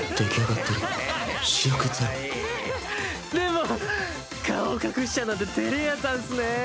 でも顔隠しちゃうなんてテレ屋さんっすねぇ。